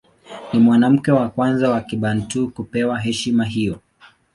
Ni mwanamke wa kwanza wa Kibantu kupewa heshima hiyo.